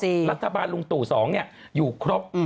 รัฐบาลลุงตู่๒อยู่ครบ